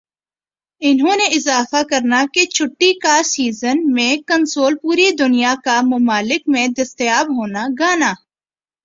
انہوں نے اضافہ کرنا کہ چھٹی کا سیزن میں کنسول پوری دنیا کا ممالک میں دستیاب ہونا گانا